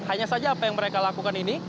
hanya saja apa yang mereka lakukan ini